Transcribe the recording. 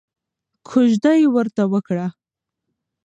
کوژده یې ورته وکړه.